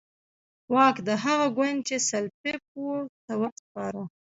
واک د هغه ګوند چې سلپيپ وو ته وسپاره.